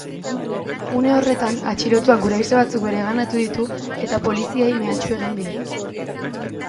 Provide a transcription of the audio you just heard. Une horretan, atxilotuak guraize batzuk bereganatu ditu eta poliziei mehatxu egin die.